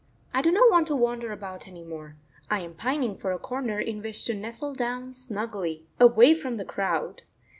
I do not want to wander about any more. I am pining for a corner in which to nestle down snugly, away from the crowd.